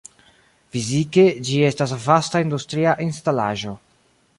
Fizike ĝi estas vasta industria instalaĵo.